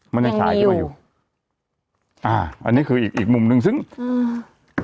มันอย่างนี้อยู่อันนี้คืออีกมุมหนึ่งซึ่งอืม